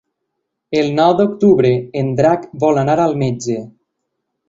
El nou d'octubre en Drac vol anar al metge.